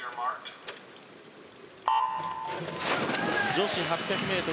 女子８００ｍ